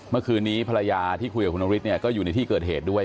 เมื่อคืนนี้ภรรยาที่คุยกับคุณนฤทธิเนี่ยก็อยู่ในที่เกิดเหตุด้วย